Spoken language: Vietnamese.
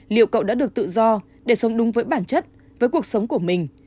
liệu cậu đã được tự do để sống đúng với bản chất với cuộc sống của mình